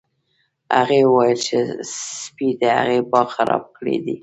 هغې وویل چې سپي د هغې باغ خراب کړی دی